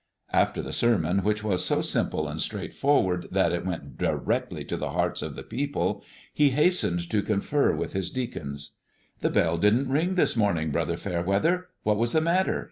After the sermon, which was so simple and straightforward that it went directly to the hearts of the people, he hastened to confer with his deacons. "The bell didn't ring this morning, Brother Fairweather. What was the matter?"